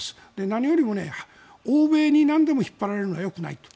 何よりも欧米になんでも引っ張られるのはよくないと。